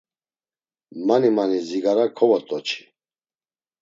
Mani mani zigara kovot̆oçi.